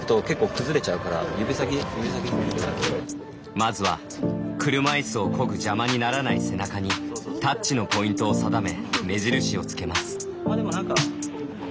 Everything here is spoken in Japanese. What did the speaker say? まずは、車いすをこぐ邪魔にならない背中にタッチのポイントを定め目印をつけます。